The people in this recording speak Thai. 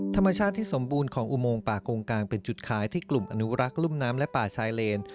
ธรรมชาติที่สมบูรณ์ของอุโมงป่ากงกลางเป็นจุดขายที่กลุ่มอนุรักษ์รุ่มน้ำและป่าชายเลน